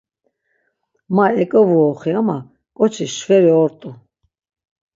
Ma eǩevuoxi ama ǩoçi şveri ort̆u.